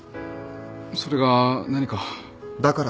それが何か？